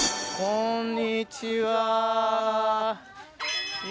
こんにちは。